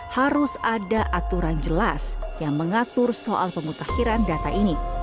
harus ada aturan jelas yang mengatur soal pemutakhiran data ini